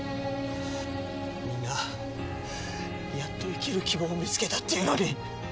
皆やっと生きる希望を見つけたっていうのに。